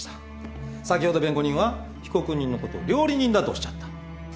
先ほど弁護人は被告人のことを料理人だとおっしゃった。